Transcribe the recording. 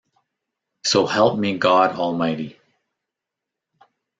So help me God almighty.